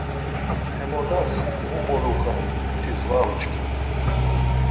Hem odas mu moluxen mitis var uçkin ya.